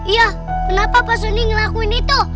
iya kenapa pak soni ngelakuin itu